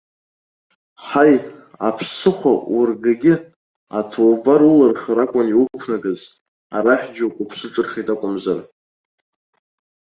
Ҳаи, аԥсыхәа ургагьы, аҭоубар улырхыр акәын иуқәнагаз, арахь џьоукы уԥсы ҿырхит акәымзар.